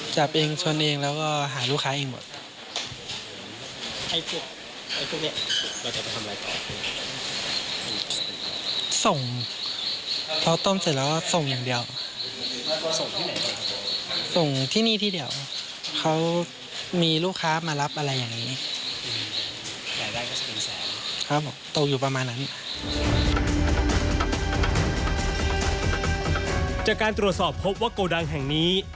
จากการตรวจสอบพบว่าโกดังแห่งนี้